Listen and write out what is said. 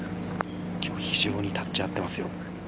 非常にタッチ合ってますよ。